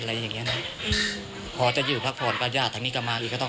อะไรอะไรอย่างอย่างแหละพอขมาป็น